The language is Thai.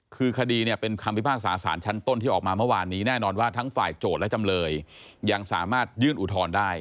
คือคดีเนี่ยเป็นคำพิพากษาสารชั้นต้นที่ออกมาเมื่อวานนี้แน่นอนว่าทั้งฝ่ายโจทย์และจำเลยยังสามารถยื่นอุทธรณ์ได้